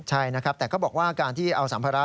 ใช่นะครับแต่ก็บอกว่าการที่เอาสัมภาระ